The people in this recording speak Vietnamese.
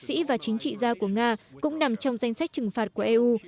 các bệnh sĩ và chính trị gia của nga cũng nằm trong danh sách trừng phạt của eu